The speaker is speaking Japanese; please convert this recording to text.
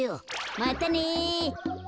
またね。